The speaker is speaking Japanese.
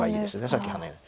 さっきハネ。